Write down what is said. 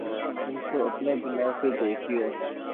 ان کو اپنا بنا کے دیکھ لیا